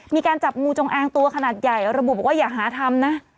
มีการจับงูจงอางตัวขนาดใหญ่ระบุบอกว่าอย่าหาทำนะ